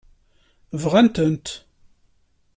Bɣan-tent?